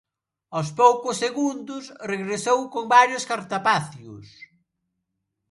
Aos poucos segundos regresou con varios cartapacios.